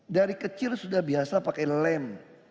dari kecil sudah biasa pakai lem